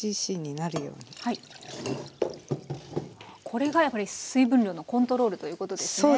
これがやっぱり水分量のコントロールということですね。